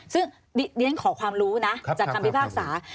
ซึ่งเรียนขอความรู้นะจากคำพิพากษา